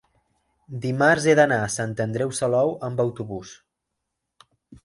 dimarts he d'anar a Sant Andreu Salou amb autobús.